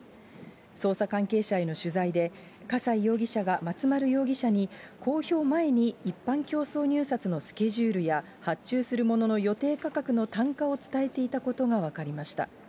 捜査関係者への取材で、笠井容疑者が松丸容疑者に公表前に一般競争入札のスケジュールや発注するものの予定価格の単価を伝えていたことが分かりました。